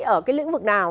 ở cái lĩnh vực nào